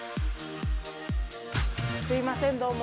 すいませんどうも。